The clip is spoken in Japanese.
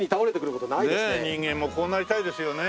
人間もこうなりたいですよね。